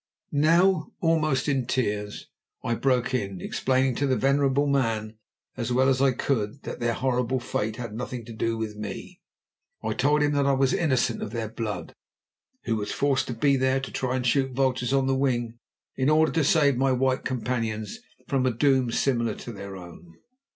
Now, almost with tears, I broke in, explaining to the venerable man as well as I could that their horrible fate had nothing to do with me. I told him that I was innocent of their blood, who was forced to be there to try to shoot vultures on the wing in order to save my white companions from a doom similar to their own.